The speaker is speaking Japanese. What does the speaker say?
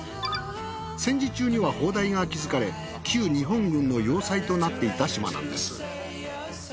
戦時中には砲台が築かれ旧日本軍の要塞となっていた島なんです。